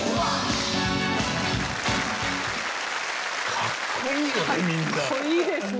かっこいいですね。